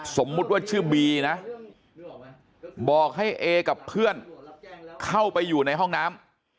สมมุติว่าชื่อบีนะบอกให้เอกับเพื่อนเข้าไปอยู่ในห้องน้ำ